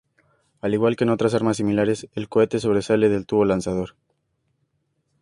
Al igual que en otras armas similares, el cohete sobresale del tubo lanzador.